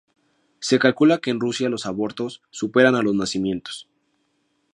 Se calcula que en Rusia los abortos superan a los nacimientos.